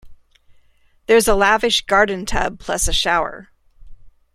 There's a lavish garden tub plus a shower.